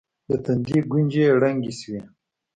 د تندي گونځې يې ړنګې سوې.